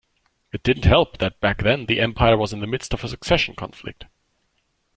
It didn't help that back then the empire was in the midst of a succession conflict.